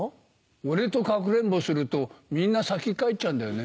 俺とかくれんぼするとみんな先帰っちゃうんだよね。